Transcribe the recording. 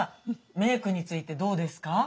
メークについてどうですか？